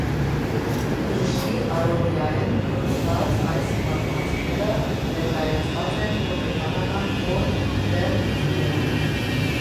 Բժիշկի առօրեայէն «փրցուած» այս պատմուածքները ներկայացուած են հոգեբանական խոր վերլուծումներով։